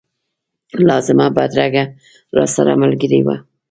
لازمه بدرګه راسره ملګرې وه.